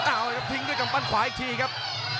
เอาครับทิ้งด้วยกำปั้นขวาอีกทีครับ